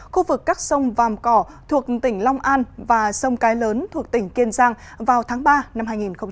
khu vực các sông vàm cỏ thuộc tỉnh long an và sông cái lớn thuộc tỉnh kiên giang vào tháng ba năm hai nghìn hai mươi